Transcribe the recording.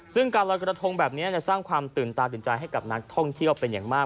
ซึ่งการลอยกระทงแบบนี้จะสร้างความตื่นตาตื่นใจให้กับนักท่องเที่ยวเป็นอย่างมาก